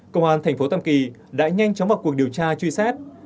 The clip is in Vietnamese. công an thành phố tam kỳ đã nhanh chóng vào cuộc điều tra truy xét